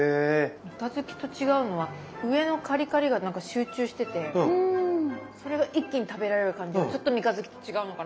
三日月と違うのは上のカリカリが何か集中しててそれが一気に食べられる感じがちょっと三日月と違うのかな。